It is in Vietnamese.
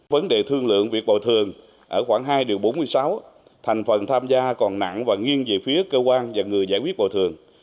vấn đề thương lượng việc bồi thường ở khoảng hai bốn mươi sáu thành phần tham gia còn nặng và nghiêng về phía cơ quan và người giải quyết bồi thường